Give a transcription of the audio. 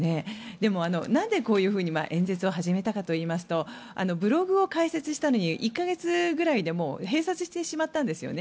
でも、なんでこういうふうに演説を始めたかといいますとブログを開設したのに１か月くらいで閉鎖してしまったんですよね。